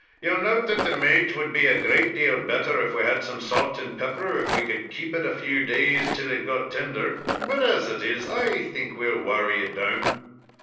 You note that the maat would be a great deal better if we had some salt and pepper, or if we could keep it a few days till it got tender; but, as it is, I think we'll worry it down."